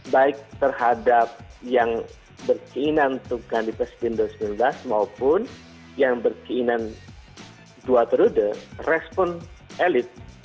baik terhadap yang berkeinan untuk ganti presiden dua ribu sembilan belas maupun yang berkeinan dua periode respon elit